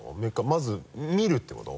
まず見るっていうこと？